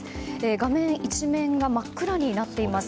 画面一面が真っ暗になっています。